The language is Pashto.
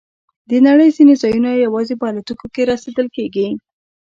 د نړۍ ځینې ځایونه یوازې په الوتکو کې رسیدل کېږي.